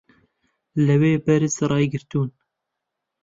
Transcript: لەوێ بەرز ڕایگرتوون